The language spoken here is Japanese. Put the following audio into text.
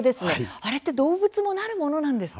あれって動物もなるものなんですか？